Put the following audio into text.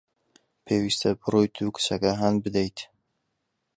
پێویستە بڕۆیت و کچەکە هان بدەیت.